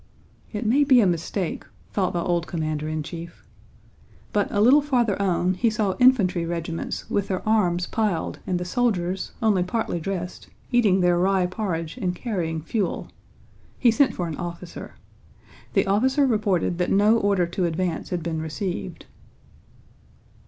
"It may be a mistake," thought the old commander in chief. But a little further on he saw infantry regiments with their arms piled and the soldiers, only partly dressed, eating their rye porridge and carrying fuel. He sent for an officer. The officer reported that no order to advance had been received.